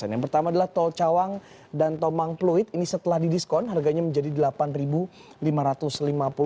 yang pertama adalah tol cawang dan tomang pluit ini setelah didiskon harganya menjadi rp delapan lima ratus lima puluh